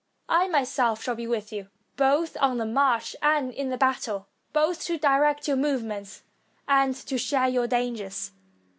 I myself shall be with you, both on the march and in the battle, both to direct your movements and to share your dan gers.